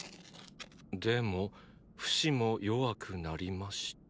でもフシも弱くなりました。